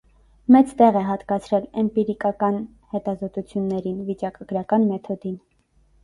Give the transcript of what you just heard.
Մեծ տեղ է հատկացրել էմպիրիկական հետազոտություններին, վիճակագրական մեթոդին։